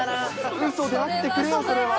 うそであってくれよ、それは。